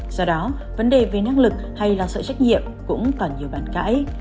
do đó vấn đề về năng lực hay lo sợi trách nhiệm cũng còn nhiều bàn cãi